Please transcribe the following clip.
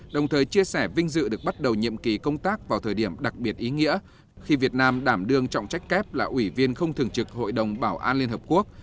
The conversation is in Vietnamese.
đồng thời chia sẻ vinh dự được bắt đầu nhiệm kỳ công tác vào thời điểm đặc biệt ý nghĩa khi việt nam đảm đương trọng trách kép là ủy viên không thường trực hội đồng bảo an liên hợp quốc